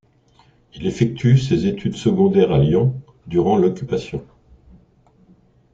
Il effectue ses études secondaires à Lyon durant l'Occupation.